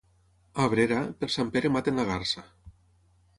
A Abrera, per Sant Pere maten la garsa.